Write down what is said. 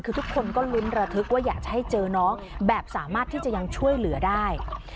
คือทุกคนก็ลุ้นระทึกว่าอยากจะให้เจอน้องแบบสามารถที่จะยังช่วยเหลือได้